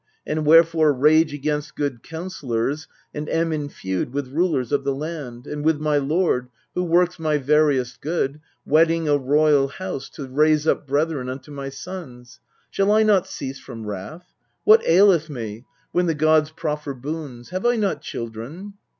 And wherefore rage against good counsellors, And am at feud with rulers of the land, And with my lord, who works my veriest good, Wedding a royal house, to raise up brethren Unto my sons ? Shall I not cease from wrath ? What aileth me, when the gods proffer boons? Have I not children